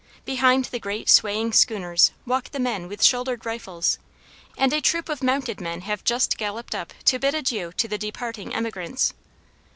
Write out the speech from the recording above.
Behind the great swaying "schooners" walk the men with shouldered rifles, and a troup of mounted men have just galloped up to bid adieu to the departing emigrants.